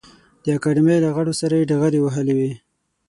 د اکاډمۍ له غړو سره یې ډغرې وهلې وې.